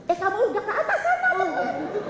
eh kamu udah keatas sana